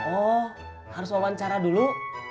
oh harus wawancara dulu